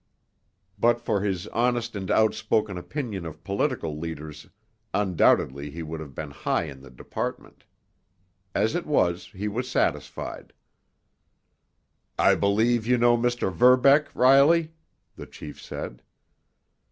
But for his honest and outspoken opinions of political leaders undoubtedly he would have been high in the department. As it was, he was satisfied. "I believe you know Mr. Verbeck, Riley," the chief said.